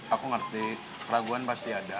aku ngerti keraguan pasti ada